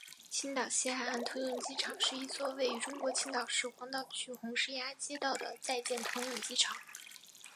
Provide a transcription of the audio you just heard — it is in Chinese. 青岛西海岸通用机场是一座位于中国青岛市黄岛区红石崖街道的在建通用机场。